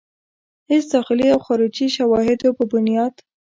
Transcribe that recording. هيڅ داخلي او خارجي شواهدو پۀ بنياد